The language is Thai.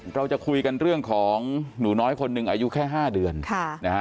เราจะคุยกันเรื่องของหนูน้อยคนหนึ่งอายุแค่๕เดือน